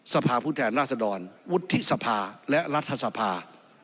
สภาพุทธแห่งราษฎรวุฒิสภาและรัฐศภา